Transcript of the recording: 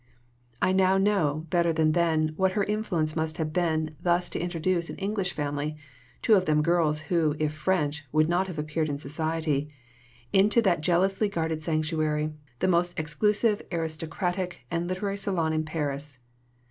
I know now, better than then, what her influence must have been thus to introduce an English family (two of them girls who, if French, would not have appeared in society) into that jealously guarded sanctuary, the most exclusive aristocratic and literary salon in Paris.